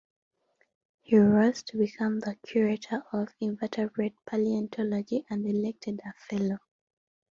He rose to become the curator of Invertebrate Paleontology and elected a Fellow.